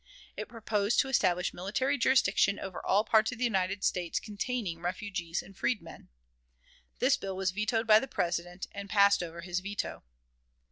It proposed to establish military jurisdiction over all parts of the United States containing refugees and freedmen. This bill was vetoed by the President, and passed over his veto.